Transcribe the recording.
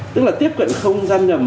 tức là tiếp cận không gian ngầm